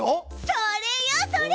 それよそれ！